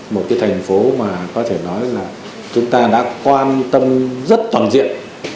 một cái thành phố mà có thể nói là chúng ta đã quan tâm rất toàn diện